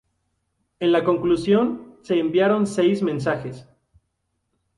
En la conclusión, se enviaron seis mensajes.